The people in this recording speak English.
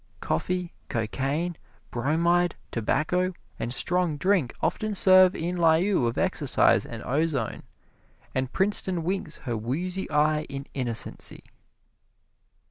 Coffee, cocaine, bromide, tobacco and strong drink often serve in lieu of exercise and ozone, and Princeton winks her woozy eye in innocency.